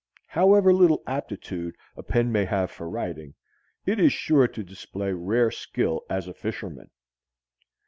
However little aptitude a pen may have for writing, it is sure to display rare skill as a fisherman.